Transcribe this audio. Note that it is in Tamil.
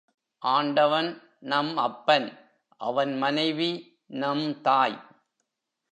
ஆண்டவன் நம் அப்பன் அவன் மனைவி நம் தாய்.